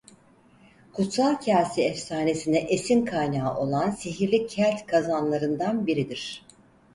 Kutsal Kase efsanesine esin kaynağı olan sihirli Kelt kazanlarından biridir.